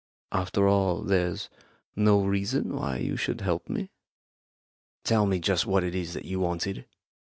After all, there's no reason why you should help me?" "Tell me just what it is that you wanted."